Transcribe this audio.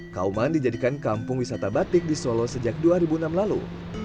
kauman dijadikan kampung wisata batik di solo sejak dua ribu enam lalu